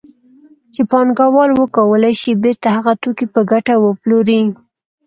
چې پانګوال وکولای شي بېرته هغه توکي په ګټه وپلوري